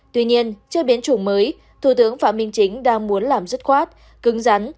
tuy nhiên chưa biến chủng mới thủ tướng phạm minh chính đang muốn làm dứt khoát cứng rắn